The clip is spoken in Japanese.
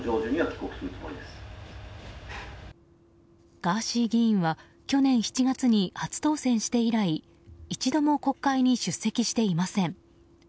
ガーシー議員は去年７月に初当選して以来一度も国会に出席していません。